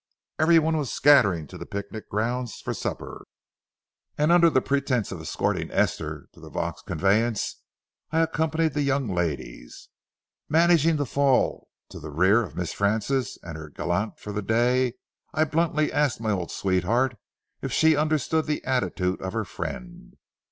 Every one was scattering to the picnic grounds for supper, and under the pretense of escorting Esther to the Vaux conveyance, I accompanied the young ladies. Managing to fall to the rear of Miss Frances and her gallant for the day, I bluntly asked my old sweetheart if she understood the attitude of her friend.